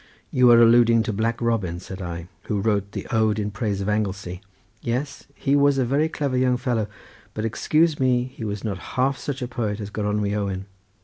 "You are alluding to Black Robin," said I, "who wrote the ode in praise of Anglesey—yes, he was a very clever young fellow, but excuse me, he was not half such a poet as Gronwy Owen."